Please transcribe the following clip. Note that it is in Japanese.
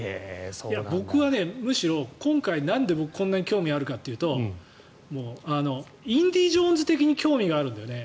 僕はむしろ今回なんでこんなに興味があるかというと「インディ・ジョーンズ」的に興味があるんだよね。